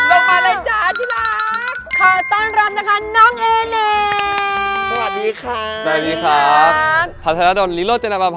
เอ้าสวัสดีครับเอเนตครับ